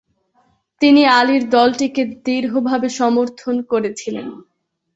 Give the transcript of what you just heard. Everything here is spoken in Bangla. তিনি আলীর দলটিকে দৃঢ় ভাবে সমর্থন করেছিলেন।